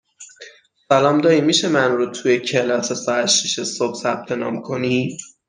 سلام دایی میشه من رو توی کلاس ساعت شیش صبح ثبت نام کنی؟